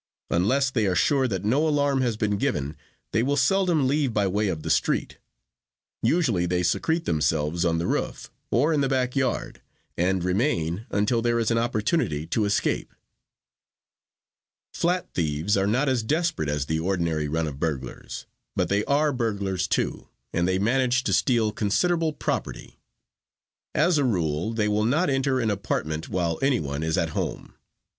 Unless they are sure that no alarm has been given, they will seldom leave by way of the street; usually they secrete themselves on the roof or in the back yard and remain until there is an opportunity to escape. "Flat thieves are not as desperate as the ordinary run of burglars, but they are burglars too, and they manage to steal considerable property. As a rule they will not enter an apartment while anyone is at home.